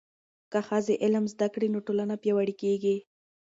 که ښځې علم زده کړي، ټولنه پیاوړې کېږي.